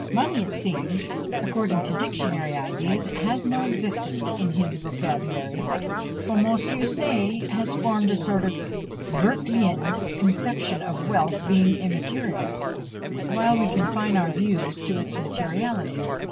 Money, it seems, according to dictionary ideas, has no existence in his vocabulary; for Monsieur Say has formed a sort of Berkleian conception of wealth being immaterial, while we confine our views to its materiality.